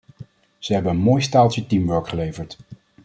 Ze hebben een mooi staaltje teamwork geleverd.